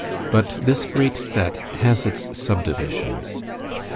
But this great set has its subdivisions.